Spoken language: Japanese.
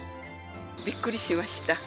びっくりしました。